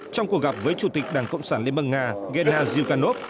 trong cuộc gặp với chủ tịch đảng cộng sản liên bang nga gena zhukanov